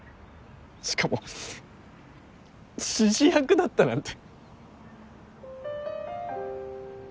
しかも指示役だったなんて。